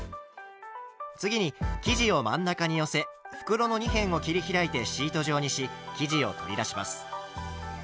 次に生地を真ん中に寄せ袋の二辺を切り開いてシート状にし生地を取り出します。